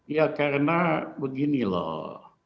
ya karena begini loh